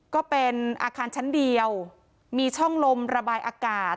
ก็เป็นอาคารชั้นเดียวมีช่องลมระบายอากาศ